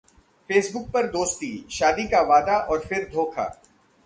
Facebook पर दोस्ती, शादी का वादा और फिर धोखा